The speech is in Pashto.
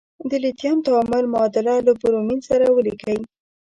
د لیتیم تعامل معادله له برومین سره ولیکئ.